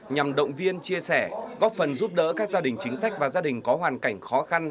nhằm động viên chia sẻ góp phần giúp đỡ các gia đình chính sách và gia đình có hoàn cảnh khó khăn